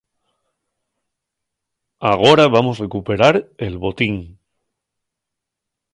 Agora vamos recuperar el botín.